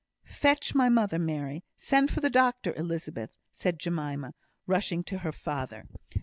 "Fetch my mother, Mary. Send for the doctor, Elizabeth," said Jemima, rushing to her father.